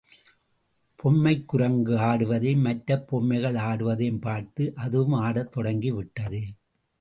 பொம்மைக்குரங்கு ஆடுவதையும், மற்ற பொம்மைகள் ஆடுவதையும் பார்த்து அதுவும் ஆடத் தொடங்கிவிட்டது.